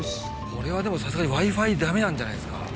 こここれはでもさすがにＷｉ−Ｆｉダメなんじゃないですか？